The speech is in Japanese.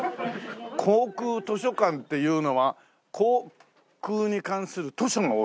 航空図書館っていうのは航空に関する図書が多い？